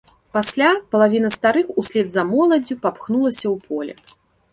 Пасля палавіна старых услед за моладдзю папхнулася ў поле.